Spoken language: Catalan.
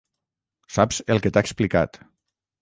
Saps el que t'ha explicat.